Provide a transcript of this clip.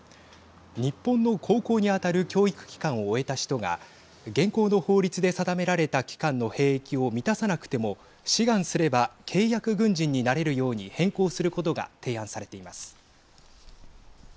日本の高校に当たる教育期間を終えた人が現行の法律で定められた期間の兵役を満たさなくても志願すれば契約軍人になれるように変更することが提案されています。